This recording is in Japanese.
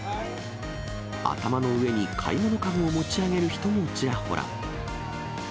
頭の上に買い物篭を持ち上げる人もちらほら。